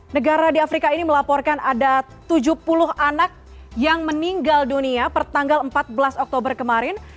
negara di afrika ini melaporkan ada tujuh puluh anak yang meninggal dunia pertanggal empat belas oktober kemarin